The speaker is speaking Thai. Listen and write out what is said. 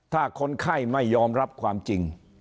ถ้าคนไข้ไม่ยอมรับความจริง